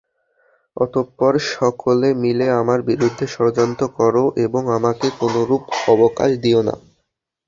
অতঃপর সকলে মিলে আমার বিরুদ্ধে ষড়যন্ত্র কর এবং আমাকে কোনরূপ অবকাশ দিও না।